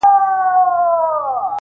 او نهایت ډېر یې ونازولم